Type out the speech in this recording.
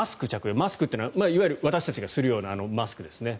マスクというのは私たちがするようなマスクですね。